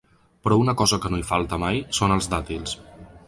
Però una cosa que no hi falta mai són els dàtils.